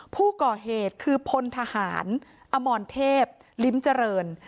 ผู้ก่อเหตุคือพลทหารอมรเทพลิ้มเจริญ